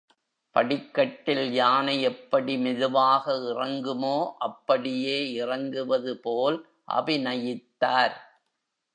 படிக்கட்டில் யானை எப்படி மெதுவாக இறங்குமோ அப்படியே இறங்குவது போல் அபிநயித்தார்.